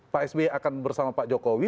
pak sby akan bersama pak jokowi